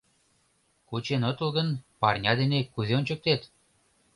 Кучен отыл гын, парня дене кузе ончыктет?